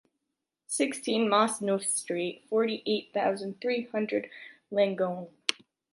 Sixteen, Mas Neuf Street, forty-eight thousand three hundred Langogne.